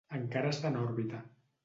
Encara està en òrbita.